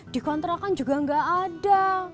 dikontrakan juga enggak ada